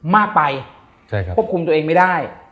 มากไปควบคุมตัวเองไม่ได้